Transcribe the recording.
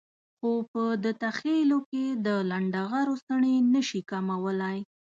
خو په دته خېلو کې د لنډغرو څڼې نشي کمولای.